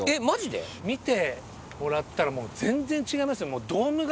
見てもらったらもう全然違いますよ。